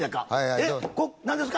えっ何ですか？